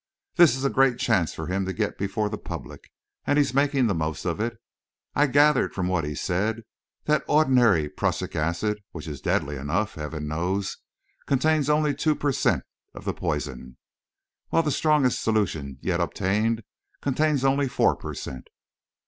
"This is a great chance for him to get before the public, and he's making the most of it. I gathered from what he said that ordinary prussic acid, which is deadly enough, heaven knows, contains only two per cent. of the poison; while the strongest solution yet obtained contains only four per cent.